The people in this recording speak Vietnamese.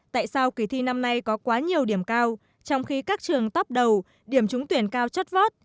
tại sao kỳ thi năm nay có quá nhiều điểm cao trong khi các trường tắp đầu điểm trúng tuyển cao chất vót